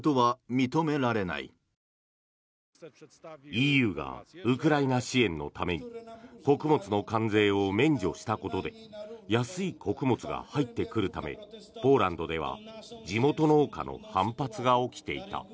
ＥＵがウクライナ支援のために穀物の関税を免除したことで安い穀物が入ってくるためポーランドでは地元農家の反発が起きていた。